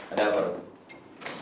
ada apa bu